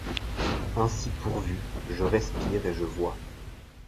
Ainsi pourvu, je respire et je vois.